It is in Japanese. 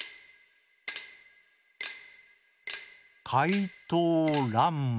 「かいとうらんま」。